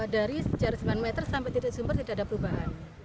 dari sejarah sembilan meter sampai titik sumber tidak ada perubahan